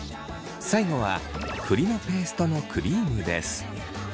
最後は栗のペーストのクリームです。